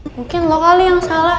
mungkin dua kali yang salah